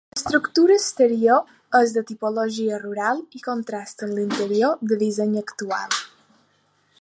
L'estructura exterior és de tipologia rural i contrasta amb l'interior de disseny actual.